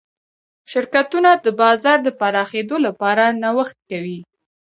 شرکتونه د بازار د پراخېدو لپاره نوښت کوي.